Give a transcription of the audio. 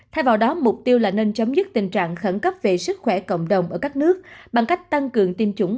thay vào đó mục tiêu là nên chấm dứt tình trạng khẩn cấp về sức khỏe cộng đồng ở các nước bằng cách tăng cường tiêm chủng